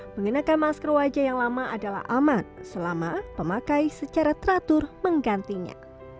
mengenakan masker wajah yang lama adalah aman selama pemakai secara teratur menggantinya